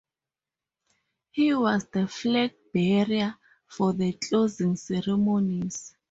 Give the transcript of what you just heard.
He was the flag bearer for the closing ceremonies.